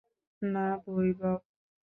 না, ভৈভব।